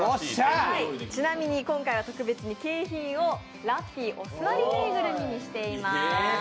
ちなみに今回は特別に景品をラッピーのお座りぬいぐるみにしています。